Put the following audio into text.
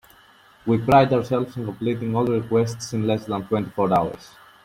We pride ourselves in completing all requests in less than twenty four hours.